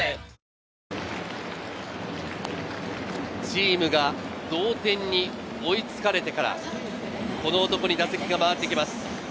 チームが同点に追いつかれてから、この男に打席が回ってきます。